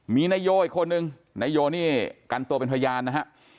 มีนายโยอีกคนนึงนายโยนี่กันตัวเป็นพยานนะฮะ